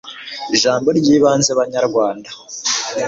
ijambo ry'ibanze banyarwanda